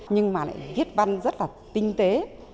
nhưng mà lại viết văn rất là tinh tế